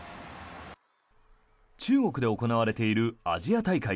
中国で行われているアジア大会。